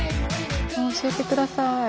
教えてください。